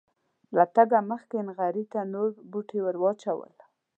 له تګه مخکې یې نغري ته نور بوټي ور واچول.